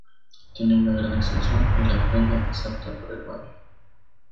Tiene una gran extensión y la playa es apta para el baño.